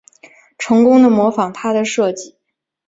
成功的模仿他的设计